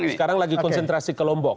sekarang lagi konsentrasi ke lombok